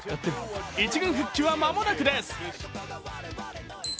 １軍復帰は間もなくです。